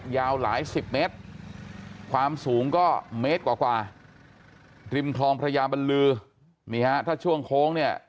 ยาวหลายสิบเมตรความสูงก็เมตรกว่าริมคลองพระยาบรรลือนี่ฮะถ้าช่วงโค้งเนี่ย